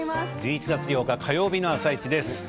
１１月８日火曜日の「あさイチ」です。